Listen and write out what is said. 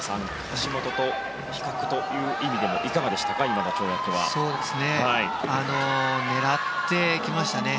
橋本と比較という意味でもいかがでしたか狙ってきましたね。